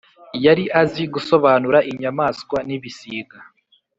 yari azi gusobanura inyamaswa n ‘ibisiga.